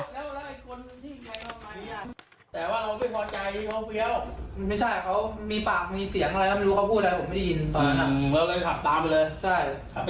แทงสวนไปกี่ทีครับผม